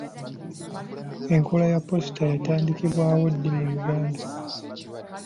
Enkola ya poosita yatandikibwawo ddi mu Uganda?